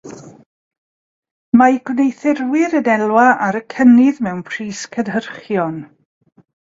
Mae gwneuthurwyr yn elwa ar y cynnydd mewn pris cynhyrchion.